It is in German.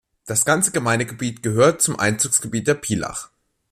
Das ganze Gemeindegebiet gehört zum Einzugsgebiet der Pielach.